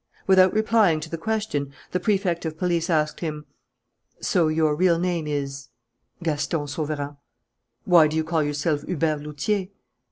Without replying to the question, the Prefect of Police asked him: "So your real name is " "Gaston Sauverand." "Why do you call yourself Hubert Lautier?"